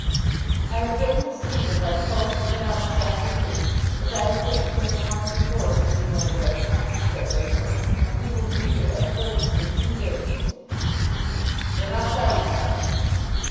'I have written to Stephen by the post that went out this afternoon, as I have written to him once before sin' he went away,' said Rachael; 'and he will be here, at furthest, in two days.' 'Then, I'll tell you something.